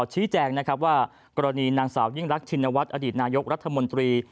ชี้แจงนะครับว่ากรณีนางสาวยิ่งรักชินวัฒน์อดีตนายกรัฐมนตรี